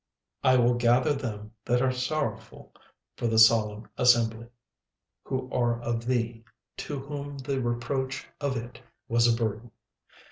36:003:018 I will gather them that are sorrowful for the solemn assembly, who are of thee, to whom the reproach of it was a burden.